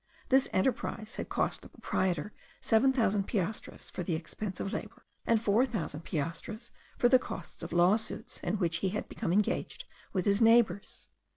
This enterprise had cost the proprietor seven thousand piastres for the expense of labour, and four thousand piastres for the costs of lawsuits in which he had become engaged with his neighbours.